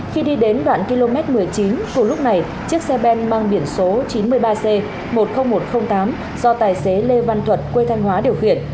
khi đi đến đoạn km một mươi chín cùng lúc này chiếc xe ben mang biển số chín mươi ba c một mươi nghìn một trăm linh tám do tài xế lê văn thuật quê thanh hóa điều khiển